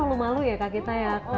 kan lalu malu ya kak kita ya